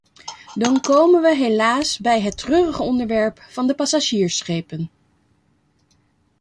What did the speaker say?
Dan komen we helaas bij het treurige onderwerp van de passagiersschepen.